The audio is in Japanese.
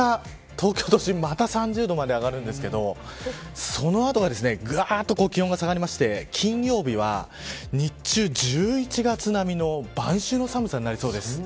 あした、東京都心また３０度まで上がるんですけどそのあとががーっと気温が下がって金曜日は日中１１月並みの晩秋の寒さになりそうです。